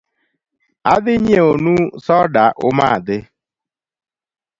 Adhi nyieo nu soda umadhi